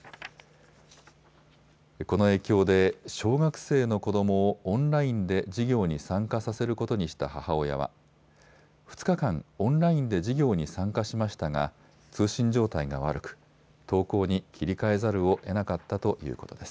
この影響で小学生の子どもをオンラインで授業に参加させることにした母親は２日間、オンラインで授業に参加しましたが通信状態が悪く登校に切り替えざるをえなかったということです。